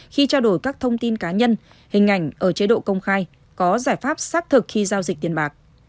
khi trao đổi các thông tin cá nhân hình ảnh ở chế độ công khai có giải pháp xác thực khi giao dịch tiền bạc